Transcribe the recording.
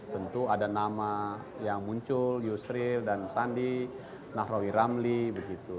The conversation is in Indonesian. tentu ada nama yang muncul yusril dan sandi nahrawi ramli begitu